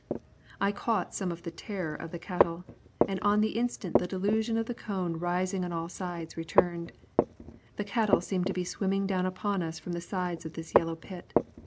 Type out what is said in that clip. I caught something of the terror of the cattle, and on the instant the delusion of the cone rising on all sides returned. The cattle seemed to be swarming down upon us from the sides of this yellow pit.